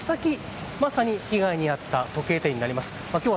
この先、まさに被害に遭った時計店になります。